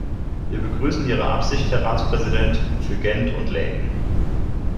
Wir begrüßen Ihre Absicht, Herr Ratspräsident, für Gent und Laeken.